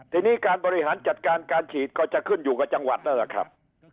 ทีนี้การบริหารจัดการการฉีดก็จะขึ้นอยู่กับจังหวัดนั่นแหละครับ